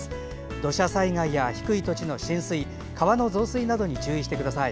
土砂災害や低い土地の浸水、川の増水などに注意してください。